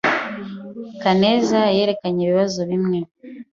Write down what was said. Kaneza yerekanye ibibazo bimwe.